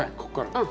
ここから？